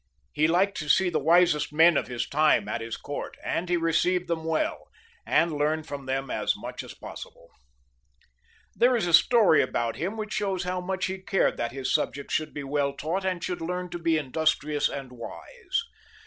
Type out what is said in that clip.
He lik^d to see the wisest men of his time at his court, and he received them well, and learned from them as much as possible. There is a story about him which shows how much he 40 CHARLEMAGNE, [CH. cared that his subjects should l)e well taught and should learn to be industrious and wise.